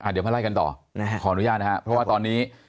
เดี๋ยวมาไล่กันต่อขออนุญาตนะครับเพราะว่าตอนนี้